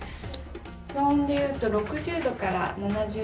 室温でいうと６０度から７０度の。